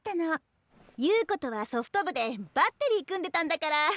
優子とはソフト部でバッテリー組んでたんだから。